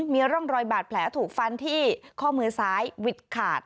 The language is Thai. มีร่องรอยบาดแผลถูกฟันที่ข้อมือซ้ายวิดขาด